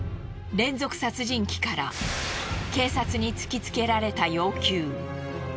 連続殺人鬼から警察に突きつけられた要求。